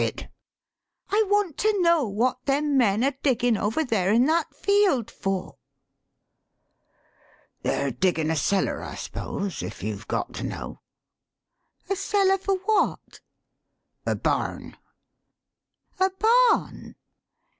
154 THE SHORT STORY " I want to know what them men are diggin' over there in that field for." "They're diggin' a cellar, I s'pose, if you've got to know.'* "A cellar for what?" "A barn." "A barn?